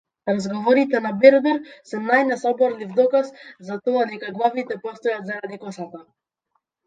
Разговорите на бербер се најнесоборлив доказ за тоа дека главите постојат заради косата.